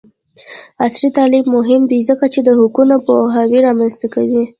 عصري تعلیم مهم دی ځکه چې د حقونو پوهاوی رامنځته کوي.